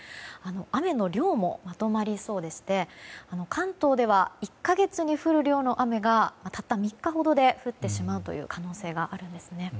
雨の量も、まとまりそうでして関東では１か月に降る量の雨がたった３日ほどで降ってしまう可能性があるんですね。